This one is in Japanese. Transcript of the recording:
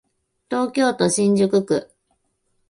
東京都新宿区